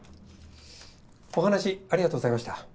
お話ありがとうございました。